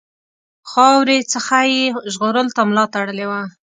خاورې څخه یې ژغورلو ته ملا تړلې وه.